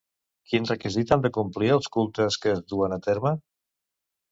Quin requisit han de complir els cultes que es duen a terme?